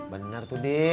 bukan suatu hal